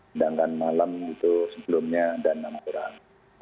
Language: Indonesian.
sedangkan malam itu sebelumnya ada enam orang